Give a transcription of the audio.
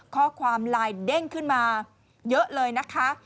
ข้อความไลน์เด้งขึ้นมาเยอะเลยนะคะ